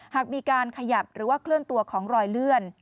หากมีการขยับหรือว่าเคลื่อนตัวของรอยเลื่อน